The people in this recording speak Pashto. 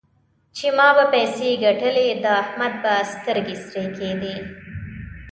چې ما به پيسې ګټلې؛ د احمد به سترګې سرې کېدې.